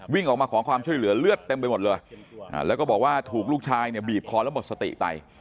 วิ่งออกมาขอความช่วยเหลือเลือดเต็มไปหมดเลยแล้วก็บอกว่าถูกลูกชายเนี่ยบีบคอแล้วหมดสติไป